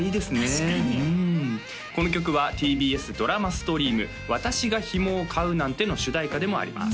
確かにうんこの曲はＴＢＳドラマストリーム「私がヒモを飼うなんて」の主題歌でもあります